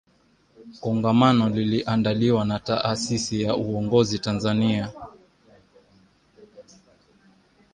Kongamano liliandaliwa na taasisi ya Uongozi Tanzania